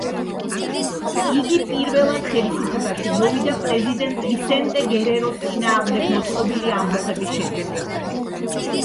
იგი პირველად ხელისუფლებაში მოვიდა პრეზიდენტ ვისენტე გერეროს წინააღმდეგ მოწყობილი ამბოხების შედეგად.